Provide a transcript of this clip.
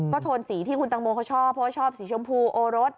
โทนสีที่คุณตังโมเขาชอบเพราะว่าชอบสีชมพูโอรส